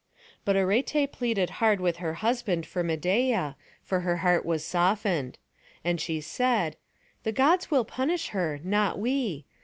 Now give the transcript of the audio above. But Arete pleaded hard with her husband for Medeia, for her heart was softened. And she said: "The Gods will punish her, not we.